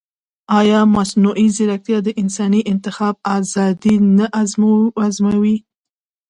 ایا مصنوعي ځیرکتیا د انساني انتخاب ازادي نه ازموي؟